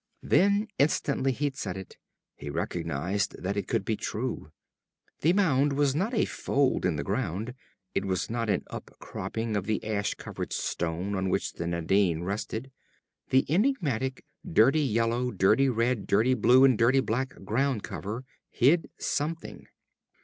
Then, instantly he'd said it, he recognized that it could be true. The mound was not a fold in the ground. It was not an up cropping of the ash covered stone on which the Nadine rested. The enigmatic, dirty yellow dirty red dirty blue and dirty black ground cover hid something.